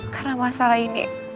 karena masalah ini